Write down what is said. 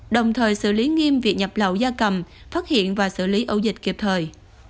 đồng thời xử lý nghiêm việc nhập lậu da cầm phát hiện và xử lý ẩu dịch kịp thời